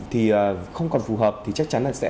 thì không còn phù hợp thì chắc chắn là sẽ